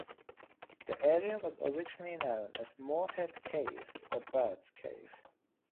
The area was originally known as Morehead Caves or Burt's Cave.